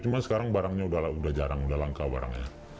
cuma sekarang barangnya sudah jarang sudah langka barangnya